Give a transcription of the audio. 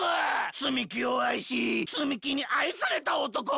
つみきをあいしつみきにあいされたおとこ！